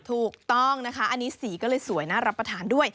ถูกต้องนะคะอันนี้สีก็เลยสวยน่ารับประทานด้วย